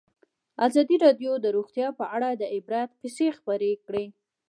ازادي راډیو د روغتیا په اړه د عبرت کیسې خبر کړي.